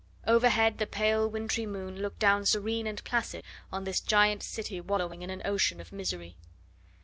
Overhead the pale, wintry moon looked down serene and placid on this giant city wallowing in an ocean of misery.